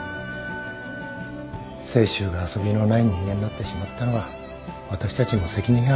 清舟が遊びのない人間になってしまったのは私たちにも責任がある。